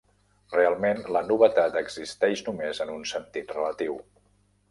Realment, la novetat existeix només en un sentit relatiu.